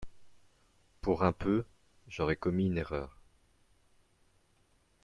Pour un peu, j'aurais commis une erreur.